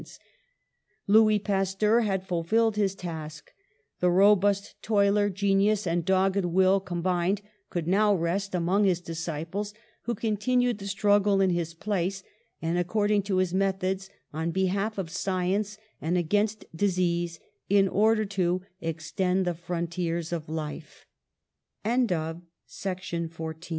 204 PASTEUR Louis Pasteur had fulfilled his task. The ro bust toiler, genius and dogged will combined, could now rest among his disciples, who con tinued the struggle in his place and according to his methods on behalf of science and against disease, in order to ^'extend